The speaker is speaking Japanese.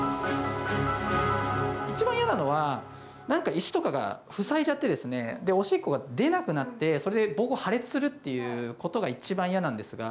一番嫌なのは、なんか石とかが塞いじゃってですね、おしっこが出なくなって、それでぼうこう破裂するっていうことが一番嫌なんですが。